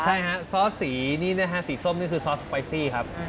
ใช่ฮะซอสสีนี่นะฮะสีส้มนี่คือซอสสไปซี่ครับ